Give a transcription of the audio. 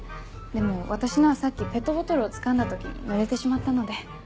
でも私のはさっきペットボトルをつかんだ時にぬれてしまったので。